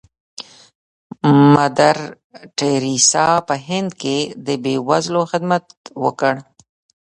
مدر ټریسا په هند کې د بې وزلو خدمت وکړ.